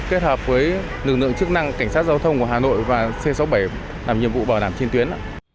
kết hợp với lực lượng chức năng cảnh sát giao thông của hà nội và c sáu mươi bảy làm nhiệm vụ bảo đảm trên tuyến